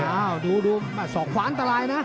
ว้าวดูสอกขวานตลายนะ